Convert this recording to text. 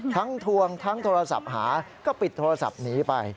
ทวงทั้งโทรศัพท์หาก็ปิดโทรศัพท์หนีไป